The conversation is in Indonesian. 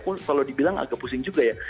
pun kalau dibilang agak pusing juga ya